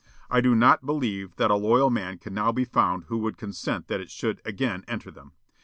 I do not believe that a loyal man can now be found who would consent that it should again enter them.